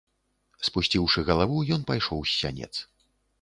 Спусціўшы галаву, ён пайшоў з сянец.